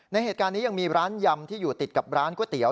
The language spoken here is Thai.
ในเหตุการณ์นี้ยังมีร้านยำที่อยู่ติดกับร้านก๋วเตี๋ย